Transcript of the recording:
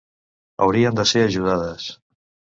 Haurien de ser ajudades.